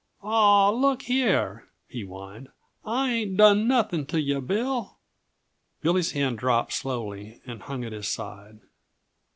"Aw, look here!" he whined. "I ain't done nothing to yuh, Bill!" Billy's hand dropped slowly and hung at his side.